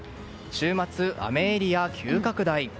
週末、雨エリア急拡大。